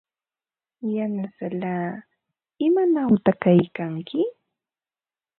Yanasallaa, ¿imanawta kaykanki?